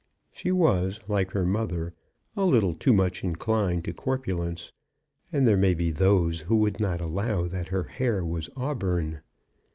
She was, like her mother, a little too much inclined to corpulence, and there may be those who would not allow that her hair was auburn.